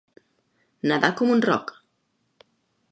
Nedar com un roc.